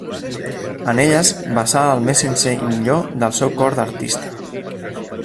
En elles vessà el més sincer i millor del seu cor d'artista.